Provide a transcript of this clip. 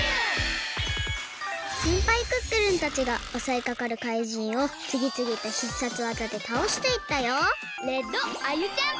せんぱいクックルンたちがおそいかかるかいじんをつぎつぎと必殺技でたおしていったよ